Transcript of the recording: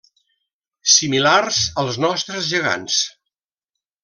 Similars als nostres gegants.